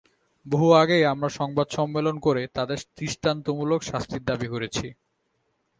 বহু আগেই আমরা সংবাদ সম্মেলন করে তাঁদের দৃষ্টান্তমূলক শাস্তির দাবি করেছি।